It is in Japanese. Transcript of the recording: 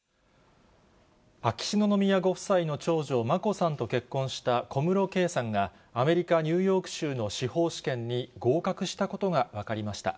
秋篠宮ご夫妻の長女、眞子さんと結婚した小室圭さんが、アメリカ・ニューヨーク州の司法試験に合格したことが分かりました。